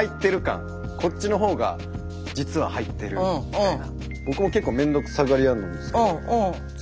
こっちの方が実は入ってるみたいな。